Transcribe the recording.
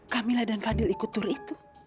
kamilah dan fadil ikut tur itu